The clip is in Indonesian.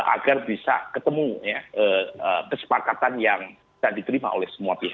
agar bisa ketemu ya kesepakatan yang bisa diterima oleh semua pihak